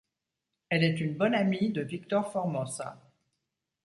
Elle est une bonne amie de Victor Formosa.